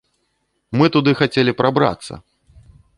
Мы туды хацелі прабрацца!